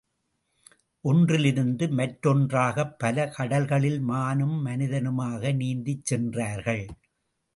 ஒன்றிலிருந்து மற்றொன்றாகப் பல கடல்களிலே, மானும் மனிதனுமாக நீந்திச் சென்றார்கள்.